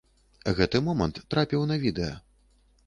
Гэты момант трапіў на відэа.